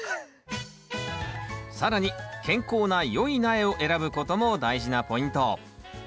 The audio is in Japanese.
更に健康なよい苗を選ぶことも大事なポイント。